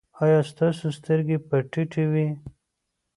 ایا ستاسو سترګې به ټیټې وي؟